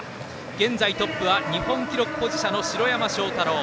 現在トップは日本記録保持者の城山正太郎。